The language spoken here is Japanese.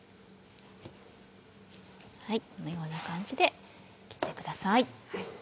このような感じで切ってください。